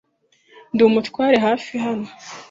Ndi umutware hafi hano.